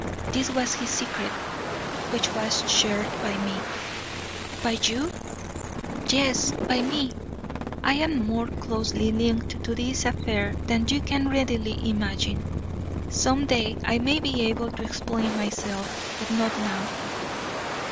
This was his secret, which was shared by me." "By you?" "Yes, by me! I am more closely linked to this affair than you can readily imagine. Some day I may be able to explain myself, but not now.